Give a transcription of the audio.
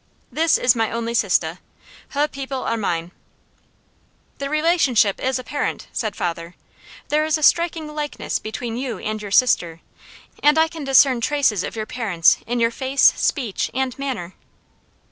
This is my only sisteh. Heh people are mine " "The relationship is apparent," said father. "There is a striking likeness between you and your sister, and I can discern traces of your parents in your face, speech and manner."